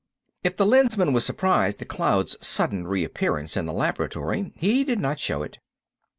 If the Lensman was surprised at Cloud's sudden reappearance in the laboratory he did not show it.